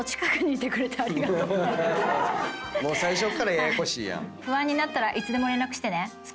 もう最初からややこしいやん。